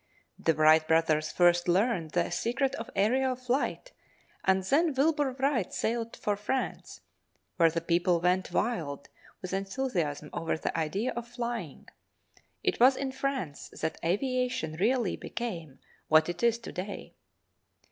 The Wright Brothers first learned the secret of aerial flight, and then Wilbur Wright sailed for France, where the people went wild with enthusiasm over the idea of flying; it was in France that aviation really became what it is to day.